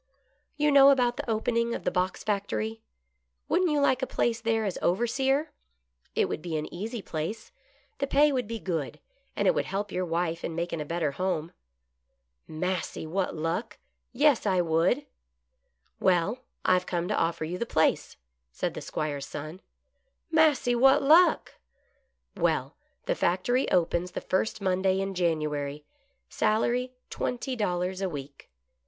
"You know about the opening of the box factory. Wouldn't you like a place there as overseer.^ It would be an easy place, the pay would be good, and it would help your wife in making a better home." "Massy, what luck! Yes, I would." " Well, I have come to offer you the place," said the 'Squire's son. " Massy, what luck !"" Well, the factory opens the first Monday in January. Salary twenty dollars a week."